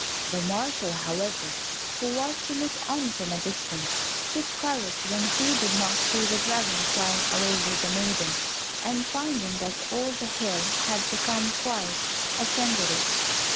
The marshal, however, who was to look on from a distance, took courage when he did not see the dragon flying away with the maiden, and finding that all the hill had become quiet, ascended it.